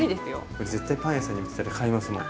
これ絶対パン屋さんに売ってたら買いますもん。